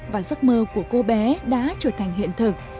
và giấc mơ của cô bé đã trở thành hiện thực